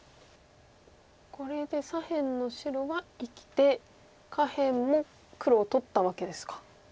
これで左辺の白は生きて下辺も黒を取ったわけですか。